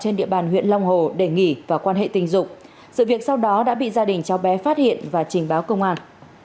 trên địa bàn huyện long hồ để nghỉ và quan hệ tình dục sự việc sau đó đã bị gia đình cháu bé phát hiện và trình báo công an